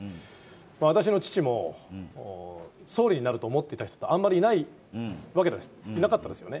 私の父も総理になると思っていた人はあんまりいなかったですよね。